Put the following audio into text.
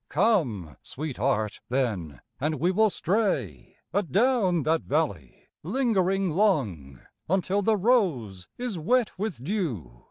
71 Come, sweet heart, then, and we will stray Adown that valley, lingering long, Until the rose is wet with dew.